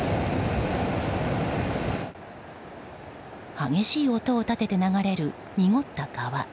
激しい音を立てて流れる濁った川。